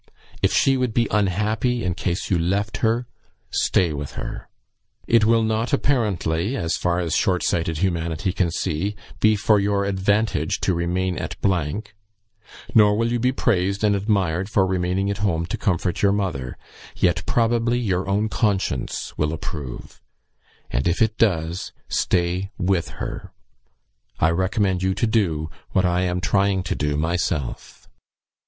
If she would be unhappy in case you left her, stay with her. It will not apparently, as far as short sighted humanity can see, be for your advantage to remain at , nor will you be praised and admired for remaining at home to comfort your mother; yet, probably, your own conscience will approve, and if it does, stay with her. I recommend you to do what I am trying to do myself."